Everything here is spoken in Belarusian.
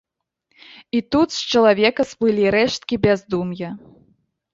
І тут з чалавека сплылі рэшткі бяздум'я.